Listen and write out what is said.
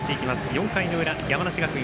４回の裏、山梨学院。